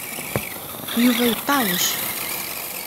Yuba yeṭṭeɛwec.